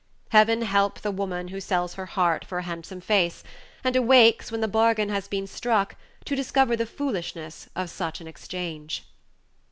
Heaven help the woman who sells her heart for a handsome face, and awakes, when the bargain has been struck, to discover the foolishness of such an exchange.